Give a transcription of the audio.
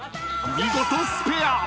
［見事スペア！